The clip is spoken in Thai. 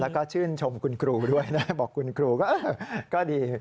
แล้วก็ชื่นชมคุณครูด้วยนะบอกคุณครูก็เออก็ดี